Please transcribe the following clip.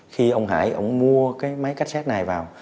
khi ông hải ông mua cái máy cách xét này vào